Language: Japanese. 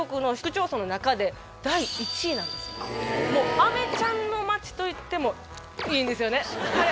アメちゃんの街といってもいいんですよね。